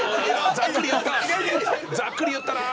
ざっくり言ったな。